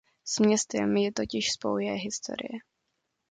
S městem ji totiž spojuje historie.